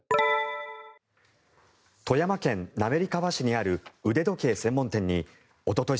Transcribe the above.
富山県滑川市にある腕時計専門店におととい